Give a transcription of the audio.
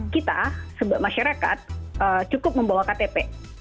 kita masyarakat cukup membawa ktp